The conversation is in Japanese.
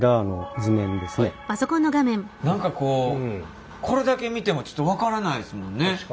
何かこうこれだけ見てもちょっと分からないですもんね。